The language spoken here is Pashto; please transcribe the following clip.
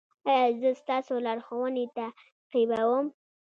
ایا زه ستاسو لارښوونې تعقیبوم؟